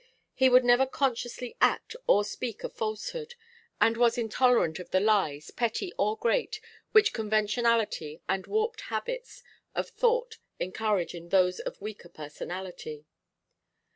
He would never consciously act or speak a falsehood, and was intolerant of the lies, petty or great, which conventionality and warped habits of thought encourage in those of weaker personality.